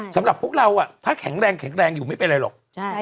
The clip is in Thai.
สำหรับพวกเราถ้าแข็งแรงแข็งแรงอยู่ไม่เป็นไรหรอก